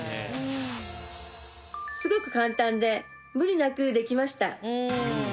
すごく簡単で無理なくできました